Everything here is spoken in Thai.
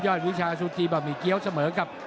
วิชาซูจีบะหมี่เกี้ยวเสมอกับ